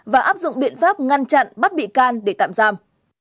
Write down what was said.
và áp dụng biện pháp ngăn chặn bắt bị can để tạm giam